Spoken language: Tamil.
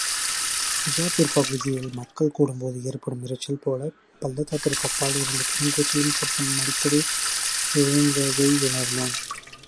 நிஜாப்பூர் பகுதியில் மக்கள் கூடும்போது ஏற்படும் இரைச்சல் போலப் பள்ளத்தாக்கிற்கு அப்பால் இருந்து பெருங்கூச்சலும் சப்தமும் அடிக்கடி எழுந்ததையுணர்ந்தான்.